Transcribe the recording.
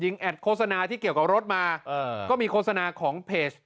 แอดโฆษณาที่เกี่ยวกับรถมาก็มีโฆษณาของเพจ